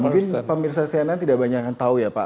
mungkin pemirsa cnn tidak banyak yang tahu ya pak